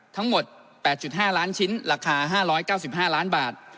ทั้งหมด๘๕ล้านชิ้นราคา๕๙๕ล้านบาท